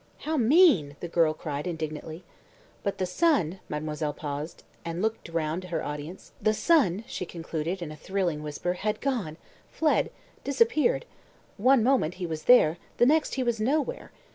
"How mean!" the girl cried indignantly. "But the son," mademoiselle paused, and looked round her audience "the son," she concluded in a thrilling whisper, "had gone fled disappeared. One moment he was there, the next he was nowhere.